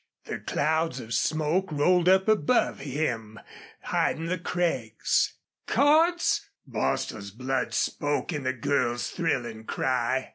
The clouds of smoke rolled up above him, hiding the crags. "CORDTS!" Bostil's blood spoke in the girl's thrilling cry.